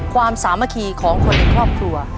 สามัคคีของคนในครอบครัว